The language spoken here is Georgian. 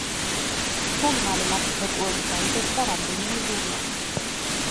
სულ მალე მათი ფოტოები დაიბეჭდა რამდენიმე ჟურნალში.